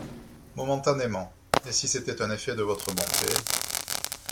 Momentanément ; et si c’était un effet de votre bonté…